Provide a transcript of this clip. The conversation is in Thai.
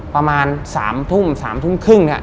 ประมาณ๓ทุ่ม๓ทุ่มครึ่งเนี่ย